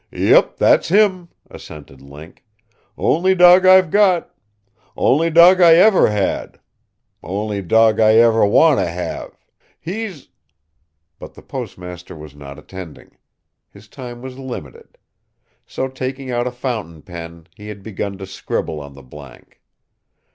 "Yep. That's him," assented Link. "Only dawg I've got. Only dawg I ever had. Only dawg I ever want to have. He's " But the postmaster was not attending. His time was limited. So, taking out a fountain pen, he had begun to scribble on the blank.